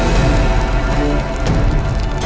ada apaan sih